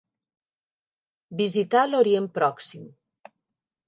Visità l'Orient Pròxim.